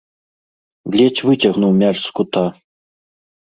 Ледзь выцягнуў мяч з кута.